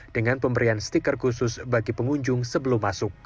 dengan pemberian stiker khusus bagi pengunjung sebelum masuk